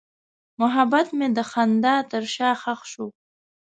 محبت مې د خندا تر شا ښخ شو.